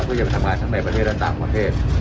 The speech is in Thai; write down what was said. เพื่อจะไปทำงานทั้งในประเทศและต่างประเทศ